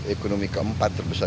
ekonomi keempat terbesar